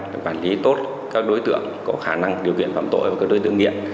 để quản lý tốt các đối tượng có khả năng điều kiện phạm tội và các đối tượng nghiện